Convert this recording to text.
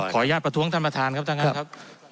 ผมขออนุญาตประท้วงท่านประธานครับท่านงานครับ